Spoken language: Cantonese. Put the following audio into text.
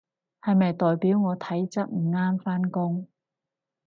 係咪代表我體質唔啱返工？